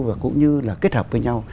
và cũng như là kết hợp với nhau